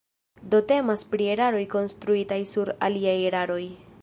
Do temas pri eraroj konstruitaj sur aliaj eraroj.